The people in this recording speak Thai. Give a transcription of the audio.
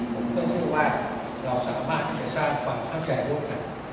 ผมก็เชื่อว่าเราสามารถสร้างความข้าวใจลุก